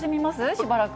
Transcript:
しばらく。